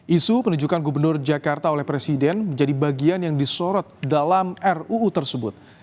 isu penunjukan gubernur jakarta oleh presiden menjadi bagian yang disorot dalam ruu tersebut